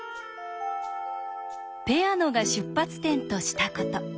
ペアノが出発点としたこと。